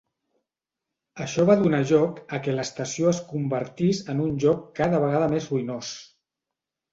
Això va donar lloc a què l'estació es convertís en un lloc cada vegada més ruïnós.